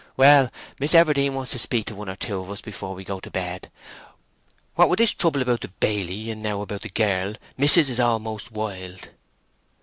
"Well—Miss Everdene wants to speak to one or two of us before we go to bed. What with this trouble about the baily, and now about the girl, mis'ess is almost wild."